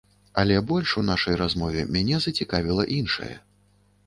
Але больш у нашай размове мяне зацікавіла іншае.